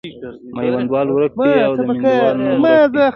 میوندوال ورک دی او د میوندوال نوم ورک دی.